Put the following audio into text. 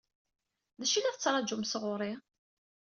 D acu i la tettṛaǧum sɣur-i?